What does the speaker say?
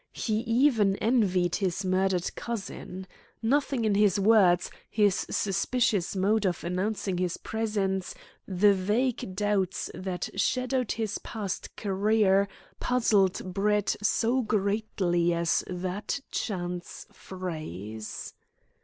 He even envied his murdered cousin. Nothing in his words, his suspicious mode of announcing his presence, the vague doubts that shadowed his past career, puzzled Brett so greatly as that chance phrase.